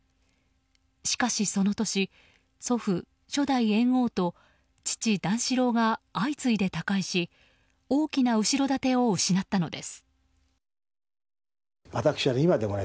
しかしその年祖父・初代猿翁と父・段四郎が相次いで他界し大きな後ろ盾を失ったのです。